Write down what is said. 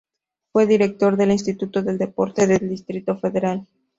Fue director del Instituto del Deporte del Distrito Federal.